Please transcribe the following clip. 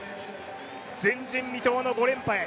前人未到の５連覇へ。